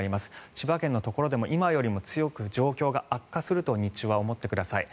千葉県のところでも今よりも強く、状況が悪化すると日中は思ってください。